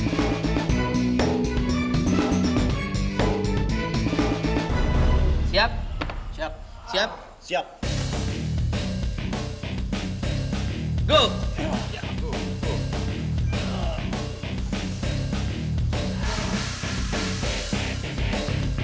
sangat diantus pandang